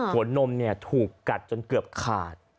ขวนนมเนี่ยถูกกัดจนเกือบขาด